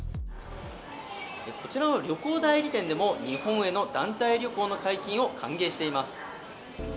こちらの旅行代理店でも日本への団体旅行の解禁を歓迎しています。